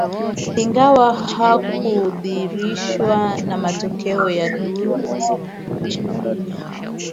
ingawaje hakuridhishwa na matokeo ya duru